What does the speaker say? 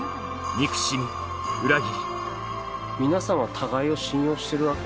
憎しみ裏切り皆さんは互いを信用してるわけ？